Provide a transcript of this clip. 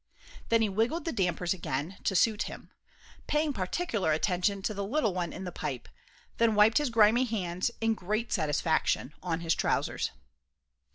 Then he wiggled the dampers again, to suit him, paying particular attention to the little one in the pipe, then wiped his grimy hands, in great satisfaction, on his trousers.